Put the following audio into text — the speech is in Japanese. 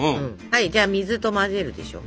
はいじゃあ水と混ぜるでしょ。